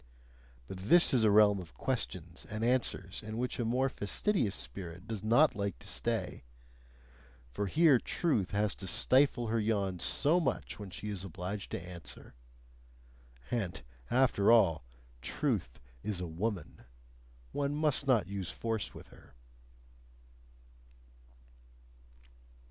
But this is a realm of questions and answers in which a more fastidious spirit does not like to stay: for here truth has to stifle her yawns so much when she is obliged to answer. And after all, truth is a woman; one must not use force with her.